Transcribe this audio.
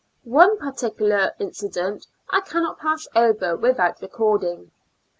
One particular incident I cannot pass over without recording.